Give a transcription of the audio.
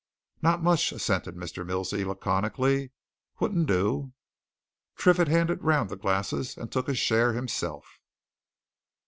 "Not much," assented Mr. Milsey, laconically. "Wouldn't do." Triffitt handed round the glasses and took a share himself.